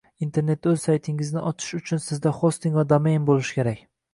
Internetda o’z saytingizni ochish uchun Sizda hosting va domain bo’lishi kerak